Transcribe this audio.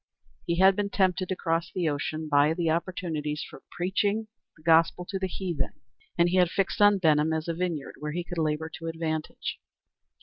He had been tempted to cross the ocean by the opportunities for preaching the gospel to the heathen, and he had fixed on Benham as a vineyard where he could labor to advantage.